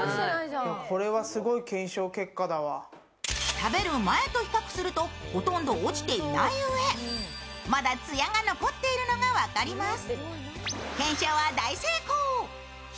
食べる前と比較するとほとんど落ちていないうえまだツヤが残っているのが分かります。